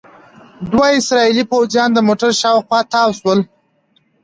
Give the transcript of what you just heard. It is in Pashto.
دوه اسرائیلي پوځیان د موټر شاوخوا تاو شول.